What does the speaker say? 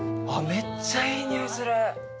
めっちゃいい匂いする。